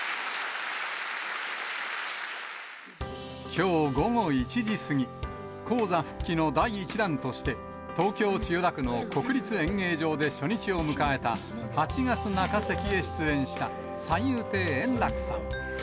きょう午後１時過ぎ、高座復帰の第１弾として、東京・千代田区の国立演芸場で初日を迎えた８月中席へ出演した三遊亭円楽さん。